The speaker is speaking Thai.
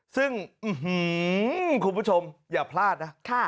ซึ่งอื้อฮือคุณผู้ชมอย่าพลาดนะ